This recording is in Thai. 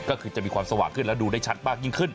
ก็คือจะมีความสว่างขึ้นและดูได้ชัดมากยิ่งขึ้น